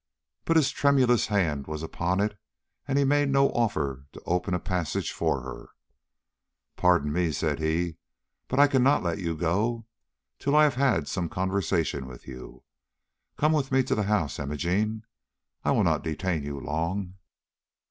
But his tremulous hand was upon it, and he made no offer to open a passage for her. "Pardon me," said he, "but I cannot let you go till I have had some conversation with you. Come with me to the house, Imogene. I will not detain you long."